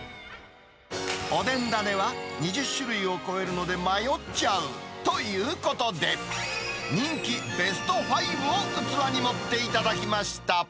おでん種は２０種類を超えるので迷っちゃうということで、人気ベスト５を器に盛ってもらいました。